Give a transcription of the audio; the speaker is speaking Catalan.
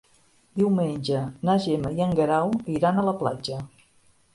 Diumenge na Gemma i en Guerau iran a la platja.